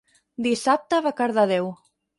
Dissabte va a Cardedeu.